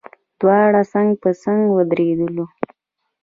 دواړه څنګ په څنګ ودرېدلو.